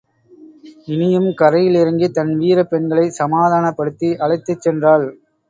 இனியும் கரையில் இறங்கித் தன் வீரப் பெண்களைச் சமாதானப்படுத்தி அழைத்துச் சென்றாள்.